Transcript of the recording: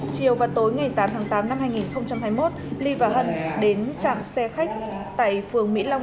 chiều và tối ngày tám tháng tám năm hai nghìn hai mươi một ly và hân đến trạm xe khách tại phường mỹ long